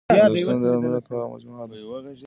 ارزښتونه د یوه ملت هغه مجموعه ده.